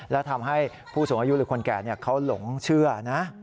และทำให้ผู้สูงอายุหรือคนแก่เขาหลงเชื่อนะ